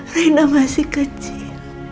reina masih kecil